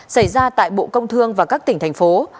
xảy ra tại bộ công thương và các tỉnh thành phố